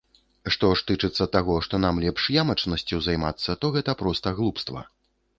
Што ж тычыцца таго, што нам лепш ямачнасцю займацца, то гэта проста глупства.